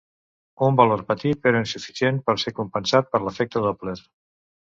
Un valor petit però insuficient per ser compensat per l'efecte Doppler.